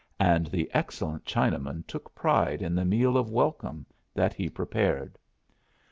And the excellent Chinaman took pride in the meal of welcome that he prepared.